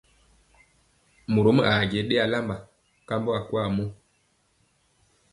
Morom aa je ɗe alamba kambɔ akwaa mɔ.